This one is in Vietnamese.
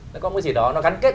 nó có một cái gì đó nó gắn kết